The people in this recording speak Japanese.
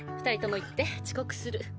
２人とも行って遅刻する。